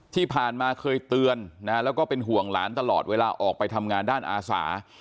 ที่ผ่านมาเคยเตือนแล้วก็เป็นห่วงหลานตลอดเวลาออกไปทำงานด้านอาสา